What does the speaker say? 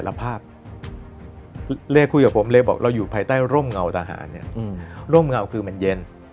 ภาพเลคุยกับผมเลยบอกเราอยู่ภายใต้ร่มเงาทหารเนี่ยร่มเงาคือมันเย็น